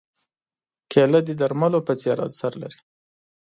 کېله د درملو په څېر اثر لري.